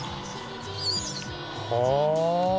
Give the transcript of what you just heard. はあ！